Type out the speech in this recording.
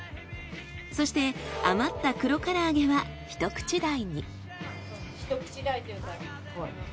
そして余った黒から揚げは一口大に。